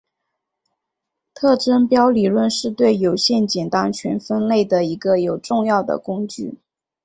特征标理论是对有限简单群分类的一个有重要的工具。